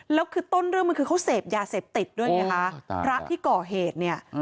แล้วคือต้นเรื่องมันคือเขาเสพยาเสพติดด้วยไงคะพระที่ก่อเหตุเนี่ย